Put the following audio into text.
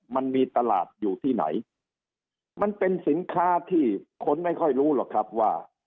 มันมีตลาดอยู่ที่ไหนมันเป็นสินค้าที่คนไม่ค่อยรู้หรอกครับว่า